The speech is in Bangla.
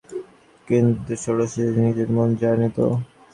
কিন্তু, ষোড়শী যে নিজের মন জানিত।